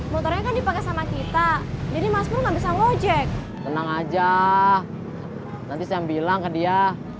motornya kan dipakai sama kita jadi mas pur nggak bisa ngojek tenang aja nanti saya bilang ke dia